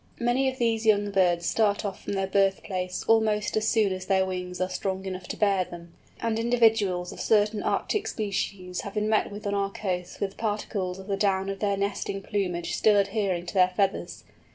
Many of these young birds start off from their birth place almost as soon as their wings are strong enough to bear them, and individuals of certain Arctic species have been met with on our coasts with particles of the down of their nestling plumage still adhering to their feathers.